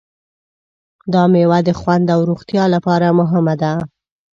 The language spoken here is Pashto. دا مېوه د خوند او روغتیا لپاره مهمه ده.